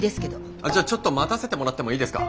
あじゃあちょっと待たせてもらってもいいですか？